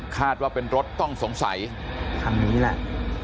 คาดว่าเป็นรถต้องสงสัยคันนี้แหละ